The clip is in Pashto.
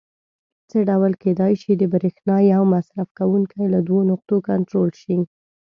څه ډول کېدای شي د برېښنا یو مصرف کوونکی له دوو نقطو کنټرول شي؟